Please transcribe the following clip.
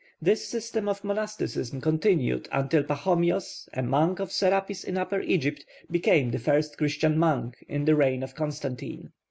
This system of monasticism continued, until Pachomios, a monk of Serapis in Upper Egypt, became the first Christian monk in the reign of Constantine.